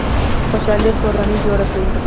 خوشحاله کورنۍ جوړه کړئ